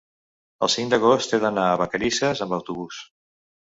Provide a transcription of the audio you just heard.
el cinc d'agost he d'anar a Vacarisses amb autobús.